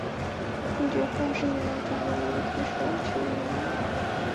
朱觉凤是一名中国女子手球运动员。